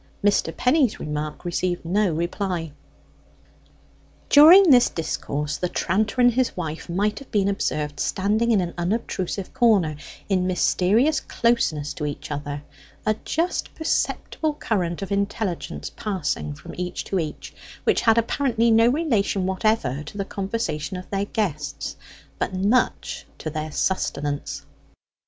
Mr. Penny's remark received no reply. During this discourse the tranter and his wife might have been observed standing in an unobtrusive corner, in mysterious closeness to each other, a just perceptible current of intelligence passing from each to each, which had apparently no relation whatever to the conversation of their guests, but much to their sustenance.